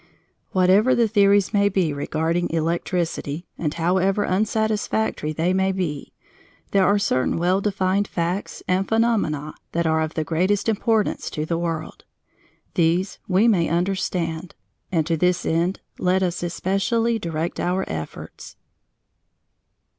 Whatever the theories may be regarding electricity, and however unsatisfactory they may be, there are certain well defined facts and phenomena that are of the greatest importance to the world. These we may understand: and to this end let us especially direct our efforts.